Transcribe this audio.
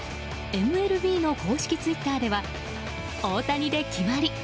ＭＬＢの公式ツイッターでは大谷で決まり！